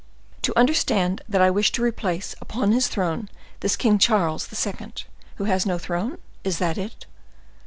"To understand that I wish to replace upon his throne this King Charles II., who has no throne? Is that it?"